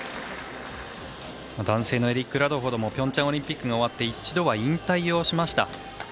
男性のエリック・ラドフォードもピョンチャンオリンピック終わり一度は引退しました。